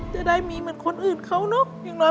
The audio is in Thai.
จะได้มีเหมือนคนอื่นเขาเนอะ